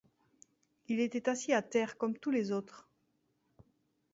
Il était assis à terre comme tous les autres.